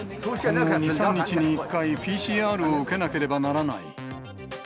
今後、２、３日に１回、ＰＣＲを受けなければならない。